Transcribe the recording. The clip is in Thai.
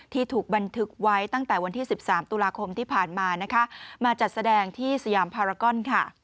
ที่ถูกบันทึกไว้ตั้งแต่วันที่๑๓ตุลาคมที่ผ่านมามาจัดแสดงที่สยามภารกล